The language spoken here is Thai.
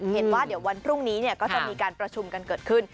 เห็นว่าเดี๋ยววันพรุ่งนี้ก็จะมีการประชุมกันเกิดขึ้น